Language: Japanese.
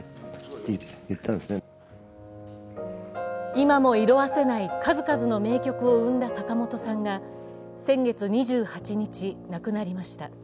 今も色あせない数々の名曲を生んだ坂本さんが先月２８日、亡くなりました。